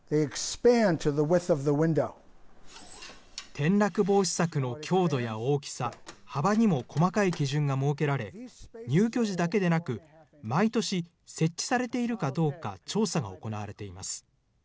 転落防止柵の強度や大きさ、幅にも細かい基準が設けられ、入居時だけでなく、毎年、設置されているかどうか、調査が行われています。